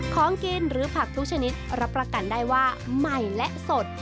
ของกินหรือผักทุกชนิดรับประกันได้ว่าใหม่และสด